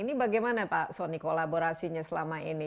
ini bagaimana pak soni kolaborasinya selama ini